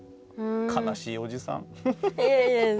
悲しいおじさん。